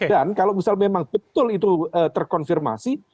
dan kalau misalnya memang betul itu terkonfirmasi